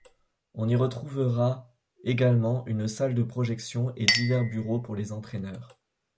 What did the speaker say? On y retrouvera également une salle de projection et divers bureaux pour les entraîneurs.